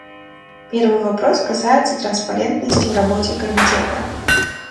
Первый вопрос касается транспарентности в работе Комитета.